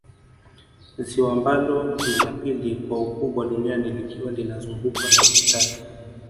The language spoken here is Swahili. Ziwa ambalo ni la pili kwa ukubwa duniani likiwa linazungukwa na nchi Tatu